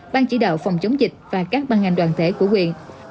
bang chỉ đạo phòng chống dịch và các băng ngành đoàn thể của huyện